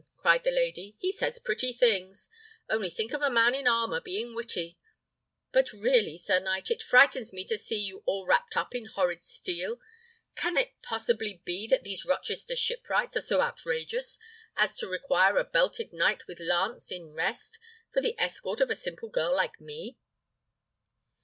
cried the lady, "he says pretty things. Only think of a man in armour being witty! But really, sir knight, it frightens me to see you all wrapped up in horrid steel. Can it possibly be that these Rochester shipwrights are so outrageous as to require a belted knight with lance in rest for the escort of a simple girl like me?"